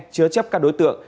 chứa chấp các đối tượng